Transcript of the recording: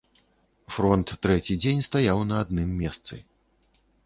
Фронт трэці дзень стаяў на адным месцы.